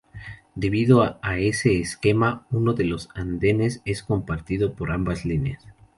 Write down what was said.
Debido a ese esquema, uno de los andenes es compartido por ambas líneas.